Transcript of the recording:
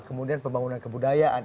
kemudian pembangunan kebudayaan